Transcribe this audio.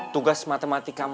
tugas matematika mak